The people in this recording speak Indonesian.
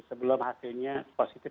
sebelum hasilnya positif